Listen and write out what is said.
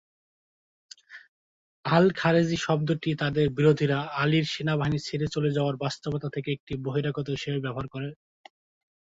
আল-খারিজি শব্দটি তাদের বিরোধীরা আলীর সেনাবাহিনী ছেড়ে চলে যাওয়ার বাস্তবতা থেকে একটি বহিরাগত হিসেবে ব্যবহার করে।